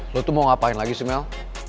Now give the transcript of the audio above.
lo tuh mau ngapain lagi sih mel